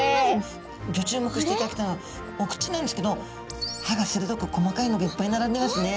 ギョ注目していただきたいのはお口なんですけど歯がするどく細かいのがいっぱい並んでますね。